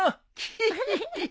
フフフ。